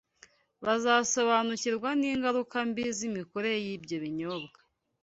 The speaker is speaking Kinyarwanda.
bazasobanukirwa n’ingaruka mbi z’imikorere y’ibyo binyobwa